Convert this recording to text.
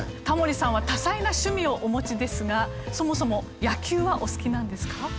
タモリさんは多彩な趣味をお持ちですがそもそも野球はお好きなんですか？